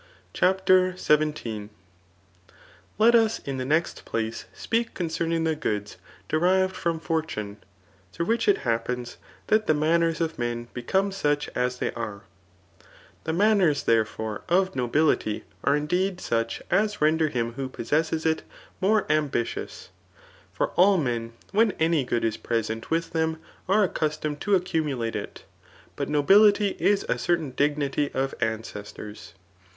CHAPTER XVII. Lei*^ us in the next place speak concerning the goods derived from fortune^ throi^gh which it happens that the manners of liien become such as they are. The man^ aers, therefore^ of nobility are indeed such as render him who possesses it more ambitious ; for all men when any good is present with them are accustomed to accumulate it ; but nobility is a certain dignity of ancestors.